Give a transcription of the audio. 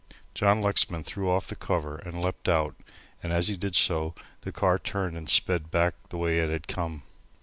John Lexman threw off the cover and leapt out and as he did so the car turned and sped back the way it had come.